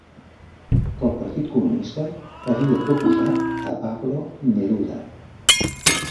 El Partit Comunista havia proposat a Pablo Neruda.